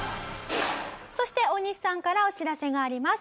そして大西さんからお知らせがあります。